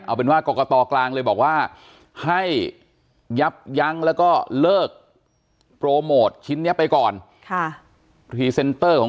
เอาเป็นว่ากรกฎอกลางเลยบอกว่าให้ยับยั้งแล้วก็เลิกโปรโมทชิ้นนี้ไปก่อน